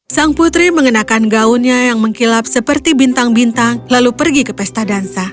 sang putri mengenakan gaunnya yang mengkilap seperti bintang bintang lalu pergi ke pesta dansa